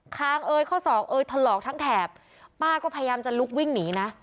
คางเอยข้อศอกเอยถลอกทั้งแถบป้าก็พยายามจะลุกวิ่งหนีนะ